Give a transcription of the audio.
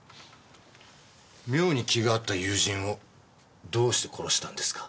妙に気が合った友人をどうして殺したんですか？